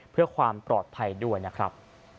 เพื่อความปลอดภัยด้วยนะครับ